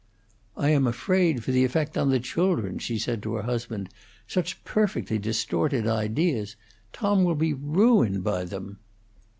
"I am afraid for the effect on the children," she said to her husband. "Such perfectly distorted ideas Tom will be ruined by them."